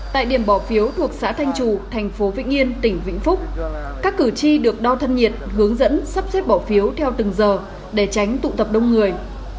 tại điểm bỏ phiếu thuộc xã thanh trù thành phố vĩnh yên tỉnh vĩnh phúc các cử tri được đo thân nhiệt hướng dẫn sắp xếp bỏ phiếu theo từng giờ để tránh tụ tập đông người